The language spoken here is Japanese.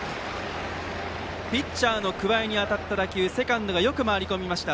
ピッチャーの桑江に当たった打球セカンドがよく回り込みました。